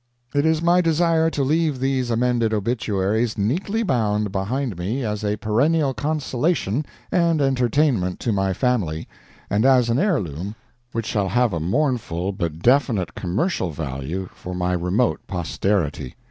It is my desire to leave these Amended Obituaries neatly bound behind me as a perennial consolation and entertainment to my family, and as an heirloom which shall have a mournful but definite commercial value for my remote posterity.